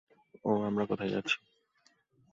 ওহ, আমরা কোথায় যাচ্ছি?